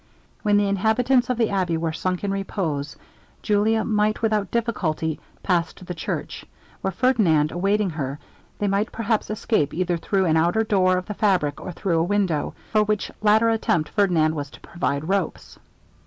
When the inhabitants of the abbey were sunk in repose, Julia might without difficulty pass to the church, where Ferdinand awaiting her, they might perhaps escape either through an outer door of the fabric, or through a window, for which latter attempt Ferdinand was to provide ropes.